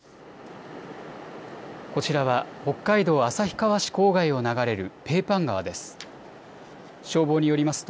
こちらは北海道旭川市郊外を流れるペーパン川です。